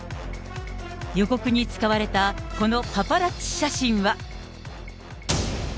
予告に使われたこのパパラッチ写真は。